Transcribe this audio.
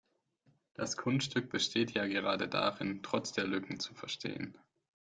Das Kunststück besteht ja gerade darin, trotz der Lücken zu verstehen.